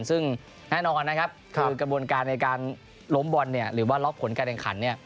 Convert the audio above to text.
ซึ่งแน่นอนนะครับคือกระบวนการในการล้มบอลหรือว่าล็อคผลการแรงขัน